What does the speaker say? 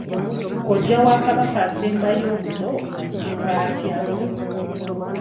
Kojja wa Kabaka asembayo obuto ayitibwa atya?